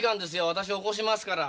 私起こしますから。